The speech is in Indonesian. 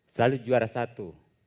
selalu juara satu